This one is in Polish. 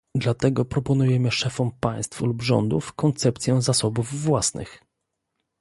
Dlatego proponujemy szefom państw lub rządów koncepcję zasobów własnych